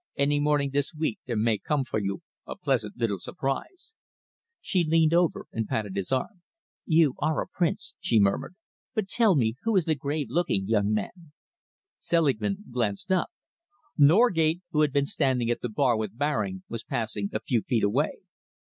Any morning this week there may come for you a pleasant little surprise." She leaned over and patted his arm. "You are a prince," she murmured. "But tell me, who is the grave looking young man?" Selingman glanced up. Norgate, who had been standing at the bar with Baring, was passing a few feet away.